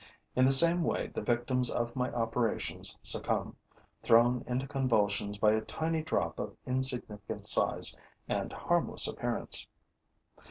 In the same way, the victims of my operations succumb, thrown into convulsions by a tiny drop of insignificant size and harmless appearance.